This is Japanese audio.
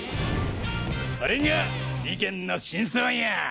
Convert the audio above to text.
これが事件の真相よ！